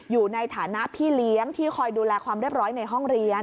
อยู่ในฐานะพี่เลี้ยงที่คอยดูแลความเรียบร้อยในห้องเรียน